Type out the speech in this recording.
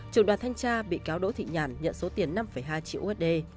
trưởng đoàn thanh tra bị cáo đỗ thị nhản nhận số tiền năm hai triệu usd